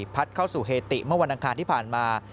เข้าสู่เฮติเมื่อวันอังคารที่ผ่านมา